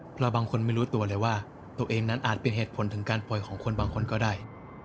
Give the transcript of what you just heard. เพราะบางคนไม่รู้ตัวเลยว่าตัวเองนั้นอาจเป็นเหตุผลถึงการปล่อยของคนบางคนก็ได้